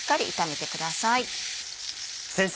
先生